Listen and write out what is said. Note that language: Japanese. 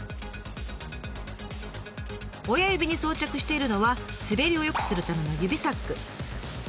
親指に装着しているのは滑りを良くするための指サック。